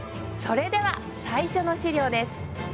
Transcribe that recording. それでは最初の資料です。